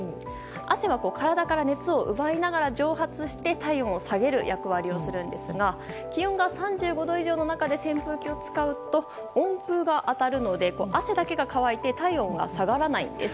汗は体から熱を奪いながら蒸発し体温を下げる役割をするんですが気温が３５度以上の中で扇風機を使うと温風が当たるので、汗だけ乾いて体温が下がらないんです。